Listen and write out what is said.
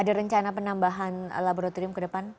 ada rencana penambahan laboratorium ke depan